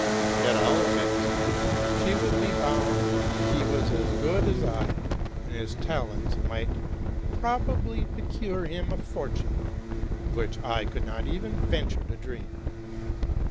At all events, she would be bound he was as good as % 80 TRUTH AND FICTION I; and his talents might probably procure him a fortune, of which I could not even venture to dream.